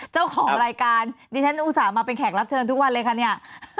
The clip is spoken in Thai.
เจ้าของรายการดิฉันอุตส่าห์มาเป็นแขกรับเชิญทุกวันเลยค่ะเนี่ย